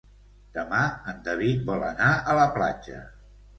Demà en David vol anar a la platja.